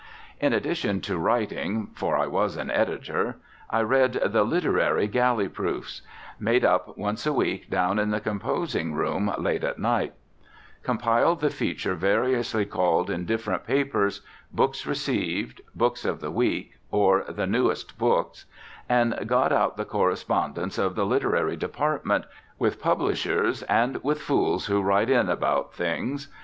In addition to writing (for I was an editor), I read the "literary" galley proofs; "made up" once a week down in the composing room late at night; compiled the feature variously called in different papers Books Received, Books of the Week, or The Newest Books; and got out the correspondence of the literary department with publishers and with fools who write in about things.